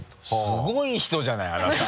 すごい人じゃないあなた。